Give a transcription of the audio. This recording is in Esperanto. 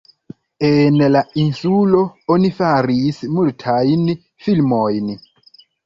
En la insulo oni faris multajn filmojn.